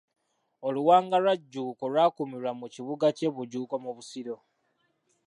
Oluwanga lwa Jjuuko lwakuumirwa mu kibuga kye Bujuuko mu Busiro.